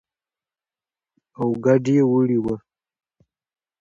او کډه يې وړې وه.